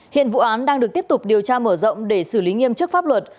hiện vụ án đang được tiếp tục điều tra mở rộng để xử lý nghiêm chức pháp luật